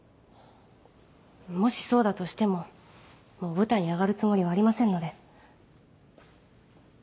もしそうだとしてももう舞台に上がるつもりはありませんので。